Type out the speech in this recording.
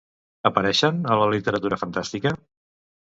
Apareixen a la literatura fantàstica?